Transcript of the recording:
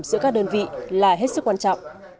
giữa các đơn vị là hết sức quan trọng